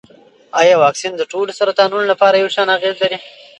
ایا واکسین د ټولو سرطانونو لپاره یو شان اغېز لري؟